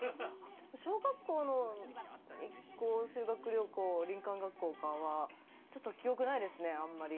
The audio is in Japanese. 小学校の修学旅行、林間学校かはちょっと記憶ないですね、あんまり。